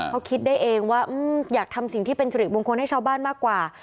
เขาคิดได้เองว่าอยากทำสิ่งที่เป็นสิริมงคลให้ชาวบ้านมากกว่า